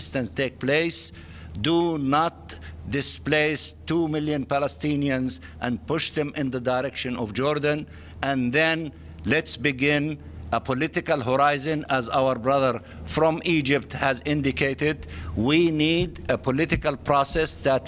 dan kemudian mari kita mulai dengan horizon politik seperti yang dikatakan adik kami dari egypt